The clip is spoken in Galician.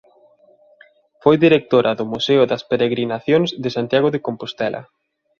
Foi directora do Museo das Peregrinacións de Santiago de Compostela.